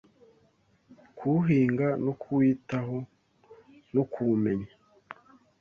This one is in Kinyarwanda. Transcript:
kuwuhinga, no kuwitaho no kuwumenya